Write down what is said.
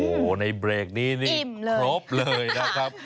โอ้โหในเบรกนี้นี่ครบเลยนะครับ